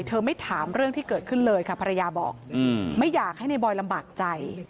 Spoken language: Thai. ไม่ถามเรื่องที่เกิดขึ้นเลยค่ะภรรยาบอกไม่อยากให้ในบอยลำบากใจ